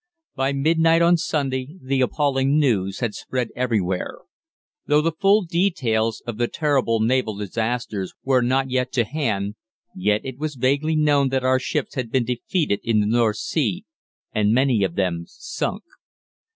By midnight on Sunday the appalling news had spread everywhere. Though the full details of the terrible naval disasters were not yet to hand, yet it was vaguely known that our ships had been defeated in the North Sea, and many of them sunk.